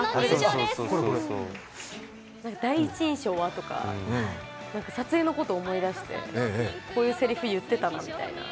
第一印象は？とか、撮影のこと思い出して、こういうせりふ言ってたなとか思って。